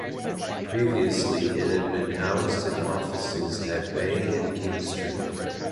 Previously it had been housed in offices at Bay and King Street.